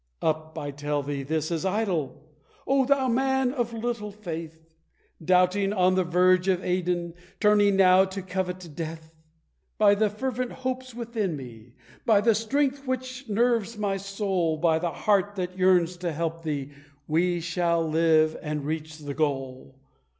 "Up! I tell thee this is idle! Oh, thou man of little faith! Doubting on the verge of Aidenn, turning now to covet death! By the fervent hopes within me, by the strength which nerves my soul, By the heart that yearns to help thee, we shall live and reach the goal!